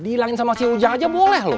dihilangin sama si ujang aja boleh loh